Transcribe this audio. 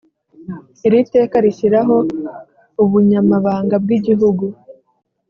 Iri teka rishyiraho Ubunyamabanga bw Igihugu